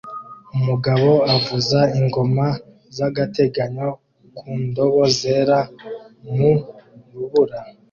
Umugabo avuza ingoma zagateganyo ku ndobo zera mu rubura